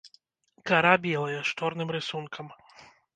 Кара белая, з чорным рысункам.